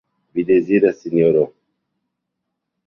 Vi deziras, Sinjoro?